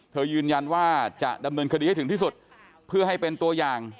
ยืนยันว่าจะดำเนินคดีให้ถึงที่สุดเพื่อให้เป็นตัวอย่าง